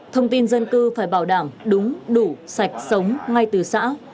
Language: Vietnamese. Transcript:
thông tin dân cư phải bảo đảm đúng đủ sạch sống ngay từ xã